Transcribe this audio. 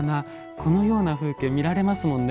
このような風景見られますもんね。